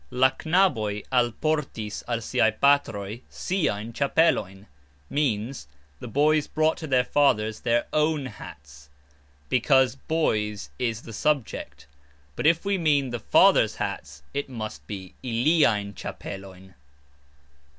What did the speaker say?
"La knaboj alportis al siaj patroj siajn cxapelojn" means "The boys brought to their fathers their own (the boys') hats," because "boys" is the subject, but if we mean "the fathers' hats" it must be "iliajn cxapelojn."